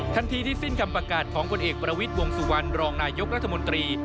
ทันทีที่สิ้นคำประกาศของผลเอกประวิทย์วงสุวรรณรองนายกรัฐมนตรี